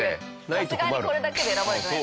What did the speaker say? さすがにこれだけで選ばれてない。